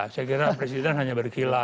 saya kira presiden hanya berkila